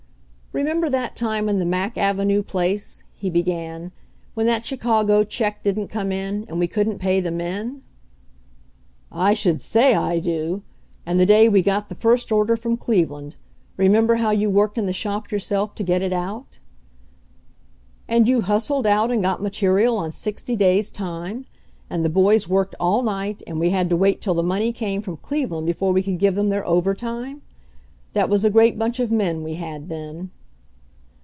"Remem ber that time in the Mack avenue place," he be gan, "when that Chicago check didn't come in, and we couldn't pay the men ?" "I should say I do! And the day we got the first order from Cleveland. Remember how you worked in the shop yourself to get it out?" "And you hustled out and got material on sixty days' time ? And the boys worked all night, and we had to wait till the money came from Cleve land before we could give them their overtime? That was a great bunch of men we had then."